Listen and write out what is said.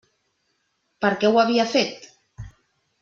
Per què ho havia fet?